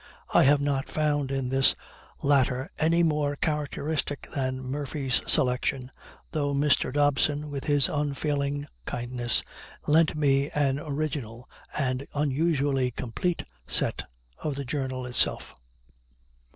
I have not found in this latter anything more characteristic than Murphy's selection, though Mr. Dobson, with his unfailing kindness, lent me an original and unusually complete set of the Journal itself.